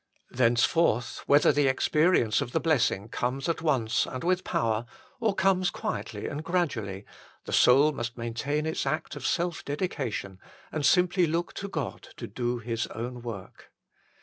Thence forth, whether the experience of the blessing comes at once and with power, or comes quietly and gradually, the soul must maintain its act of self dedication and simply look to God to do His own work.